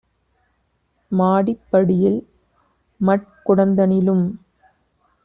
மாடிப் படியில் மட்குடந் தனிலும்